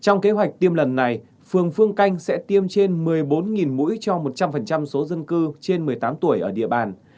trong kế hoạch tiêm lần này phường phương canh sẽ tiêm trên một mươi bốn mũi cho một trăm linh số dân cư trên một mươi tám tuổi ở địa bàn